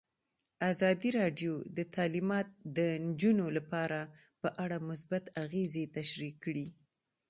ازادي راډیو د تعلیمات د نجونو لپاره په اړه مثبت اغېزې تشریح کړي.